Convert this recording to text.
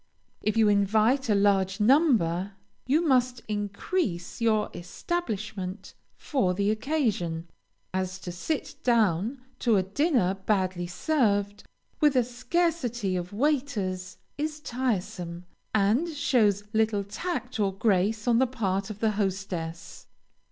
If you invite a large number, you must increase your establishment for the occasion, as to sit down to a dinner badly served, with a scarcity of waiters, is tiresome, and shows little tact or grace on the part of the hostess.